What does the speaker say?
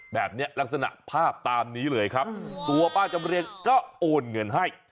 ลักษณะภาพตามนี้เลยครับตัวป้าจำเรียงก็โอนเงินให้